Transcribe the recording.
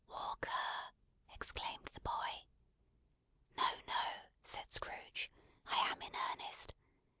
"Walk ER!" exclaimed the boy. "No, no," said Scrooge, "I am in earnest.